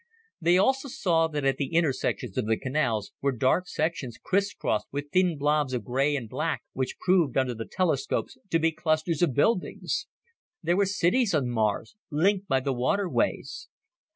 They also saw that at the intersections of the canals were dark sections crisscrossed with thin blobs of gray and black which proved under the telescopes to be clusters of buildings. There were cities on Mars, linked by the waterways.